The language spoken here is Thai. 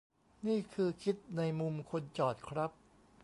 นี่คือคิดในมุมคนจอดครับ